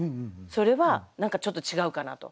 それは何かちょっと違うかなと。